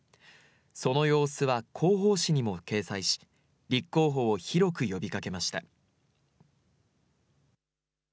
その様子は広報誌にも掲載し立候補を広く呼びかけました。